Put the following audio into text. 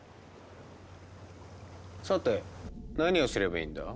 さて何をすればいいんだ？